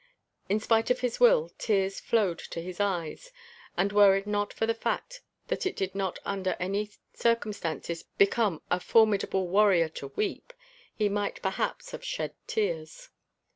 In spite of his will tears flowed to his eyes and were it not for the fact that it did not under any circumstances become "a formidable warrior" to weep, he might perhaps have shed tears.